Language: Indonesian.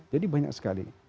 jadi banyak sekali